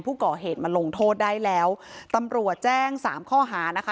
ผู้ก่อเหตุมาลงโทษได้แล้วตำรวจแจ้งสามข้อหานะคะ